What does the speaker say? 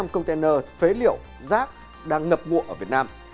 bốn chín trăm linh container phế liệu giác đang ngập ngụa ở việt nam